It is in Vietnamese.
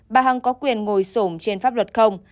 bà hằng có quyền ngồi sổm trên pháp luật không